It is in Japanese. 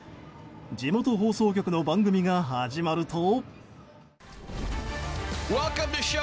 地元放送局の番組が始まると。